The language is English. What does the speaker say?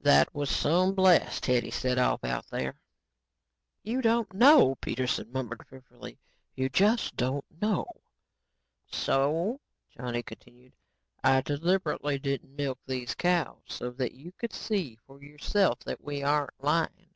That was some blast Hetty set off out there." "You don't know," Dr. Peterson murmured fearfully, "you just don't know." "So," Johnny continued, "I deliberately didn't milk these cows, so that you could see for yourself that we aren't lying.